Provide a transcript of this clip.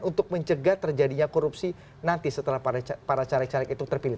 untuk mencegah terjadinya korupsi nanti setelah para caleg caleg itu terpilih